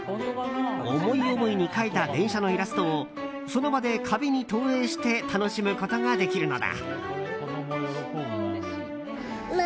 思い思いに描いた電車のイラストをその場で壁に投影して楽しむことができるのだ。